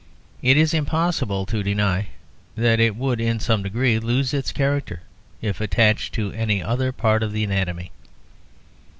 It is impossible to deny that it would in some degree lose its character if attached to any other part of the anatomy.